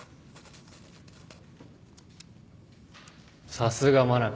さすが真中。